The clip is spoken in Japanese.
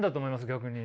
逆に。